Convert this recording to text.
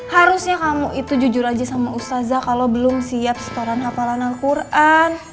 harusnya kamu itu jujur aja sama ustazah kalau belum siap setoran hafalan al quran